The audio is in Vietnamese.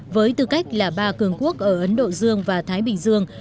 với tư cách là ba cường quốc ở ấn độ dương và thái bình dương